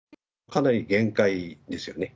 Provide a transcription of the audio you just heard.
かなり限界ですよね。